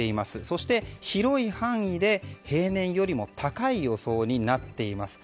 そして広い範囲で平年よりも高い予想になっています。